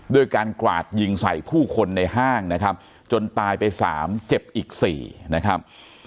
ด้วยการกราดยิงใส่ผู้คนในห้างนะครับจนตายไป๓เจ็บอีก๔นะครับ